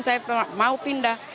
saya mau pindah